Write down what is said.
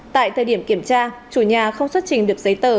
tại thời điểm kiểm tra chủ nhà không xuất trình được giấy tờ